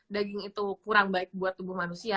daging itu kurang baik buat tubuh manusia